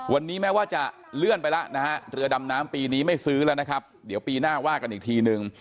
วันนี้แม้ว่าจะเลื่อนไปแล้วนะฮะเรือดำน้ำปีนี้ไม่ซื้อแล้วนะครับเดี๋ยวปีหน้าว่ากันอีกทีนึง